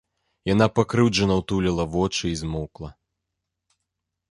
Яна пакрыўджана ўтуліла вочы і змоўкла.